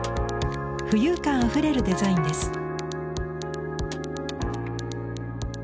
浮遊感あふれるデザインです。